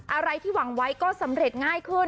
อะไรที่หวังไว้ก็สำเร็จง่ายขึ้น